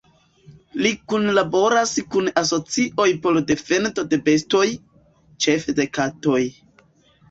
Li kunlaboras kun asocioj por defendo de bestoj, ĉefe de katoj.